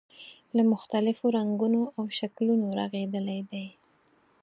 له مختلفو رنګونو او شکلونو رغېدلی دی.